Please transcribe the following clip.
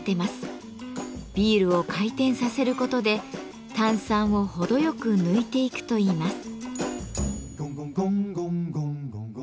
ビールを回転させることで炭酸を程よく抜いていくといいます。